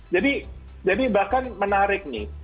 jadi bahkan menarik nih